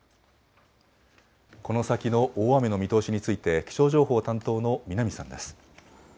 この先の大雨の見通しについて気象情報担当の南さんです。